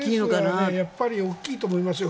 ＳＮＳはやっぱり大きいと思いますよ。